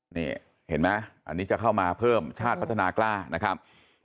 นี่เห็นไหมอันนี้จะเข้ามาเพิ่มชาติพัฒนากล้านะครับ